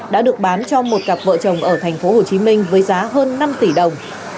đã được bán cho một cặp vợ chồng ở thành phố hồ chí minh với giá hơn năm tỷ đồng